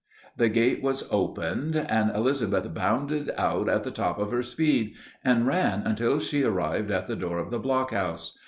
The gate was opened, and Elizabeth bounded out at the top of her speed, and ran until she arrived at the door of the blockhouse.